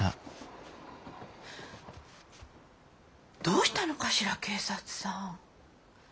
どうしたのかしら警察さん。